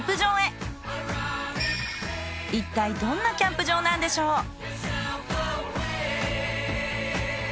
いったいどんなキャンプ場なんでしょう。